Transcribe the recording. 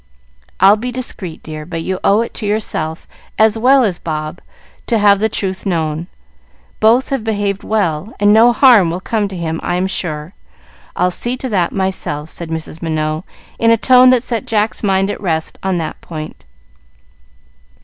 "I'll be discreet, dear, but you owe it to yourself, as well as Bob, to have the truth known. Both have behaved well, and no harm will come to him, I am sure. I'll see to that myself," said Mrs. Minot, in a tone that set Jack's mind at rest on that point.